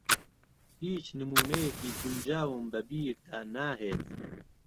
ھیچ نموونەیەکی گونجاوم بە بیردا ناھێت.